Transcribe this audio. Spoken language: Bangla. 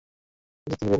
প্রযুক্তি ফিরিয়ে নাও!